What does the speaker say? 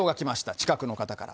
近くの方から。